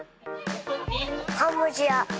カンボジア。